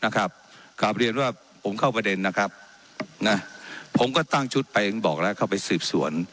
การเรียนว่าผมเข้าประเด็นนะครับผมก็ตั้งชุดไปออกไปสืบสวน